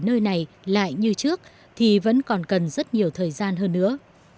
nơi này lại như trước thì vẫn còn cần rất nhiều thời gian hơn nữa